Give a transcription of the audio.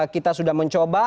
kita sudah mencoba